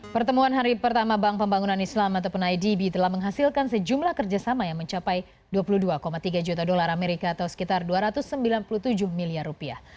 pertemuan hari pertama bank pembangunan islam ataupun idb telah menghasilkan sejumlah kerjasama yang mencapai dua puluh dua tiga juta dolar amerika atau sekitar dua ratus sembilan puluh tujuh miliar rupiah